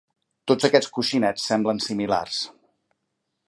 Tots aquests coixinets semblen similars.